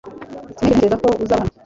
Sinigeze ntekereza ko uzaba hano .